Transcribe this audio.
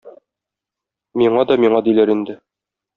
Миңа да миңа, - диләр инде.